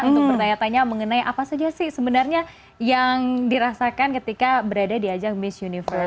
untuk bertanya tanya mengenai apa saja sih sebenarnya yang dirasakan ketika berada di ajang miss universe